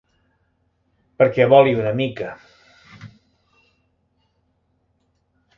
Perquè voli una mica.